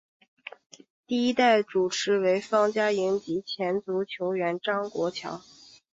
第一代主持为方嘉莹及前足球员张国强。